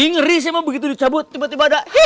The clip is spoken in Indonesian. ngeri sih emang begitu dicabut tiba tiba ada